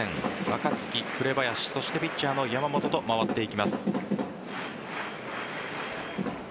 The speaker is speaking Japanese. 若月、紅林、そしてピッチャーの山本と回っていきます。